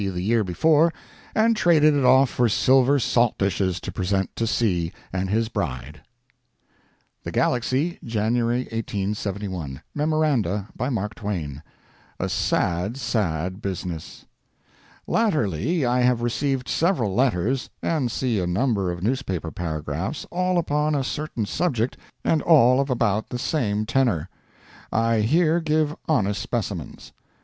the year before, and traded it off for silver salt dishes to present to C. and his bride. THE GALAXY, January 1871 MEMORANDA. BY MARK TWAIN. A SAD, SAD BUSINESS. Latterly I have received several letters, and see a number of newspaper paragraphs, all upon a certain subject, and all of about the same tenor. I here give honest specimens.